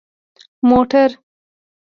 🚘 موټر